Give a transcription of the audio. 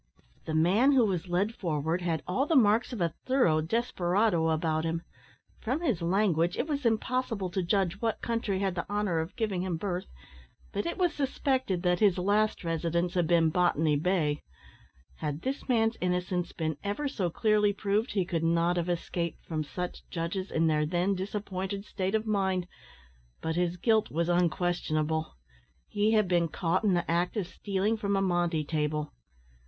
The man who was led forward had all the marks of a thorough desperado about him. From his language it was impossible to judge what country had the honour of giving him birth, but it was suspected that his last residence had been Botany Bay. Had this man's innocence been ever so clearly proved he could not have escaped from such judges in their then disappointed state of mind; but his guilt was unquestionable. He had been caught in the act of stealing from a monte table.